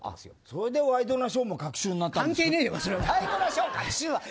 それでワイドナショーも各週になったんですね。